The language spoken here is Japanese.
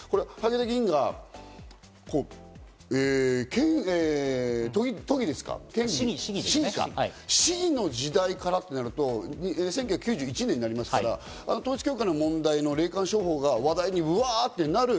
萩生田議員が市議の時代からとなると、１９９１年になりますから統一教会の問題の霊感商法が話題にワっとなる。